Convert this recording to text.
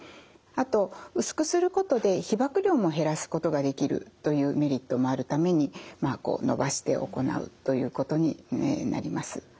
あと薄くすることで被ばく量も減らすことができるというメリットもあるためにのばして行うということになります。